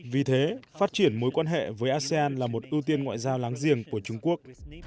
vì thế phát triển mối quan hệ với asean là một ưu tiên ngoại giao láng giềng của trung quốc